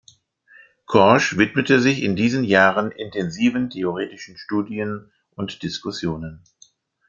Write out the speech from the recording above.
Korsch widmete sich in diesen Jahren intensiven theoretischen Studien und Diskussionen.